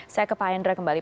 saya ke pak hendra kembali